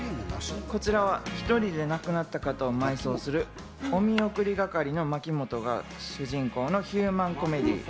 こちらは１人で亡くなった方を埋葬するおみおくり係の牧本が主人公のヒューマンコメディー。